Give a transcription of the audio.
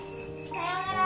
さようなら！